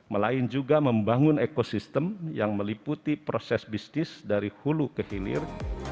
melain juga membangun ekosistem yang meliputi proses bisnis dari hulu ke hilir